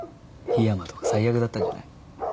緋山とか最悪だったんじゃない？